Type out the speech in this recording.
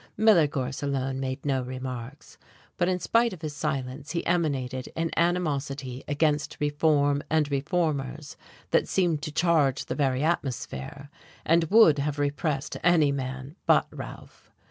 Miller Gorse alone made no remarks, but in spite of his silence he emanated an animosity against reform and reformers that seemed to charge the very atmosphere, and would have repressed any man but Ralph....